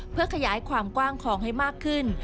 เพื่อขยายความกว้างของให้มากขึ้น